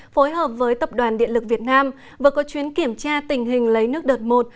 phối hợp với tập đoàn điện lực việt nam vừa có chuyến kiểm tra tình hình lấy nước đợt một